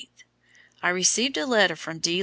I received a letter from D.